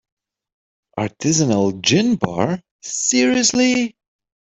Artisanal gin bar, seriously?!